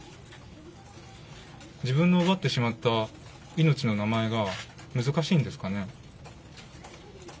自分の奪ってしまった命の名前が、難しいんですかね。